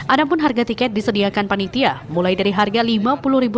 ada pun harga tiket disediakan panitia mulai dari harga rp lima puluh